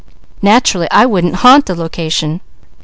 "Naturally I wouldn't haunt the location."